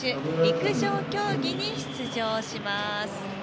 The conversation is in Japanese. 陸上競技に出場します。